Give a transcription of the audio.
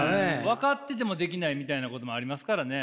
分かっててもできないみたいなこともありますからね。